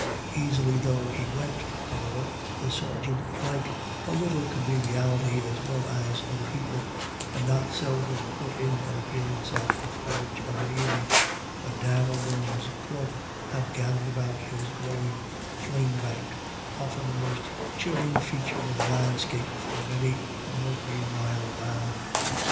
Easily though he went, however, the sergeant liked a little conviviality as well as other people, and not seldom put in an appearance at the forge of an evening, when Dan O'Beirne's club had gathered about his glowing flame bank, often the most cheering feature in tl\e landscape for many a mirky mile round.